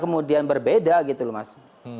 kemudian berbeda gitu loh mas